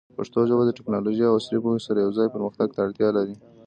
پښتو ژبه د ټیکنالوژۍ او عصري پوهې سره یوځای پرمختګ ته اړتیا لري.